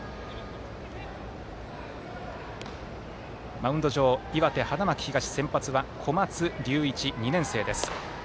マウンド上、岩手、花巻東先発は小松龍一、２年生です。